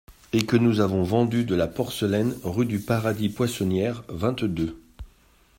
Et que nous avons vendu de la porcelaine rue de Paradis-Poissonnière, vingt-deux.